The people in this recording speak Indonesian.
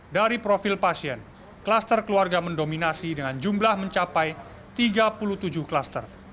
dari profil pasien kluster keluarga mendominasi dengan jumlah mencapai tiga puluh tujuh klaster